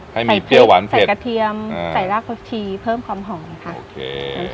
ให้มีเตี้ยวหวานเสร็จกระเทียมอ่าใส่ลากลูกชีเพิ่มคำห่องค่ะโอเค